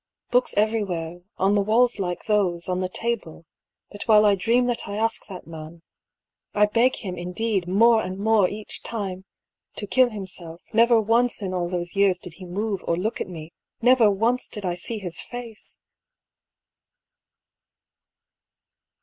Books every where, on the walls like those, on the table. But while I dream that I ask that man — I beg him, indeed, more and more each time — to kill himself, never once in all those years did he move or look at me ; never once did I see his face